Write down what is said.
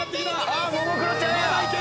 あっももクロちゃんや。